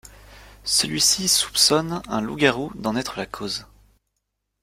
Celui-ci soupçonne un loup-garou d'en être la cause.